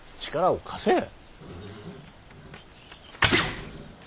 力を貸せ。